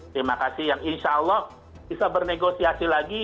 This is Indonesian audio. terima kasih yang insya allah bisa bernegosiasi lagi